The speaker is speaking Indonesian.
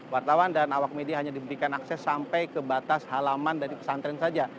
wartawan dan awak media hanya diberikan akses sampai ke batas halaman dari pesantren saja